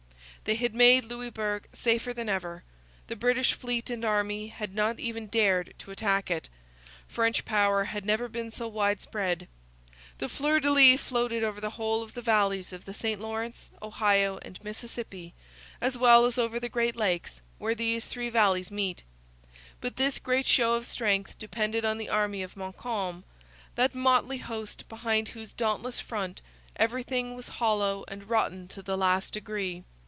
They had made Louisbourg safer than ever; the British fleet and army had not even dared to attack it. French power had never been so widespread. The fleurs de lis floated over the whole of the valleys of the St Lawrence, Ohio, and Mississippi, as well as over the Great Lakes, where these three valleys meet. But this great show of strength depended on the army of Montcalm that motley host behind whose dauntless front everything was hollow and rotten to the last degree.